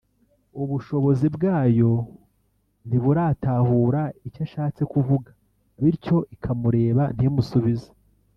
ubushobozi bwayo ntibutahura icyo ashatse kuvuga bityo ikamureba ntimusubize